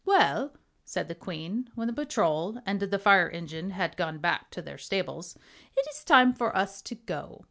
"Well," said the Queen, when the Patrol and the Fire Engine had gone back to their stables, "it is time for us to go."